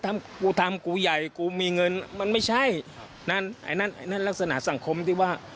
ถ้ากูทำกูใหญ่กูมีเงินมันไม่ใช่นั่นไอ้นั่นไอ้นั่นลักษณะสังคมที่ว่า